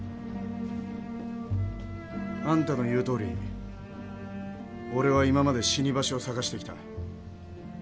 あんたの言うとおり俺は今まで死に場所を探してきた。